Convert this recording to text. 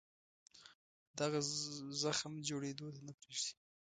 دغه زخم جوړېدو ته نه پرېږدي.